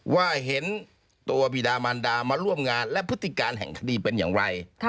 ว่าเห็นตัวบีดามันดามาร่วมงานและพฤติการแห่งคดีเป็นอย่างไร